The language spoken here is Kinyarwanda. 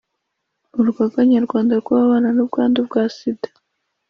urugaga nyarwanda rw’ababana n’ubwandu bwa sida